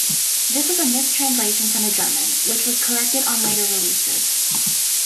This was a mis-translation from the German, which was corrected on later releases.